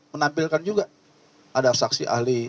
menampilkan juga ada saksi ahli